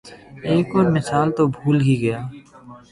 ایک اور مثال تو بھول ہی گیا۔